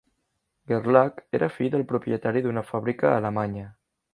Gerlach era fill del propietari d'una fàbrica alemanya.